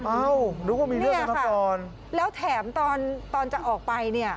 อ้าวนึกว่ามีเรื่องนั้นครับนี่ค่ะแล้วแถมตอนจะออกไป